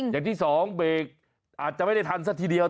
อย่างที่สองเบรกอาจจะไม่ได้ทันซะทีเดียว